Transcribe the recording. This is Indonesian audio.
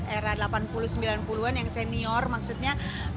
era delapan puluh sembilan puluh an yang senior maksudnya